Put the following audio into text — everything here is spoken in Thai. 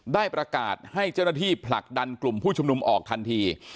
ได้ประกาศให้เจ้าหน้าที่ผลักดันกลุ่มผู้ชุมนุมออกทันที